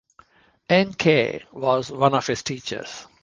Encke was one of his teachers.